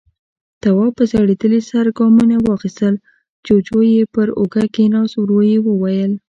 تواب په ځړېدلي سر ګامونه واخيستل، جُوجُو يې پر اوږه کېناست، ورو يې وويل: